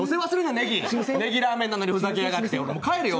ねぎラーメンなのにふざけやがって、もう帰るよ。